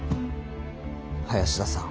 林田さん。